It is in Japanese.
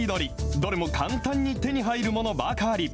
どれも簡単に手に入るものばかり。